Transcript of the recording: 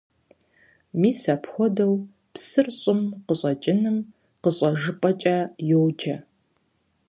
Мис апхуэдэу псыр щӀым къыщӀэкӀыным къыщӀэжыпӀэкӀэ йоджэ.